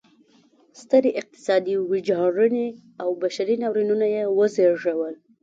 سترې اقتصادي ویجاړنې او بشري ناورینونه یې وزېږول.